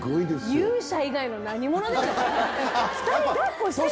勇者以外の何者でもない。